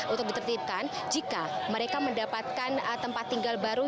untuk ditertipkan jika mereka mendapatkan tempat tinggal baru